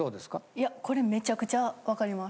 いやこれめちゃくちゃわかります。